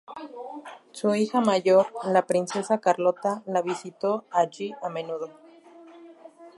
Su hija mayor, la princesa Carlota, la visitó allí a menudo.